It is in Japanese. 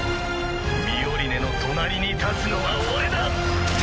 ミオリネの隣に立つのは俺だ！